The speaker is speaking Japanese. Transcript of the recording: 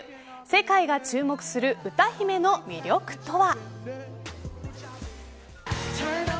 世界が注目する歌姫の魅力とは。